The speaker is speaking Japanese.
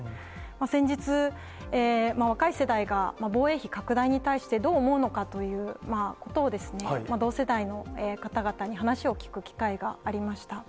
先日、若い世代が防衛費拡大に対して、どう思うのかということを、同世代の方々に話を聞く機会がありました。